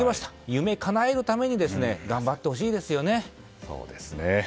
夢をかなえるために頑張ってほしいですよね。